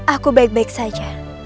aku baik baik saja